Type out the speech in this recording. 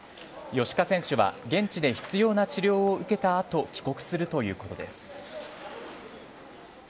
芳家選手は現地で必要な治療を受けた後帰国するということです。